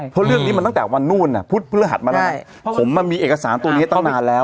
เพราะเรื่องนี้มันตั้งแต่วันนู้นพุธพฤหัสมาแล้วผมมันมีเอกสารตัวนี้ตั้งนานแล้ว